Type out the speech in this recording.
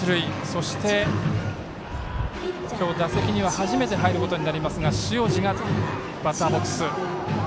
そして、今日打席には初めて入ることになりますが塩路がバッターボックス。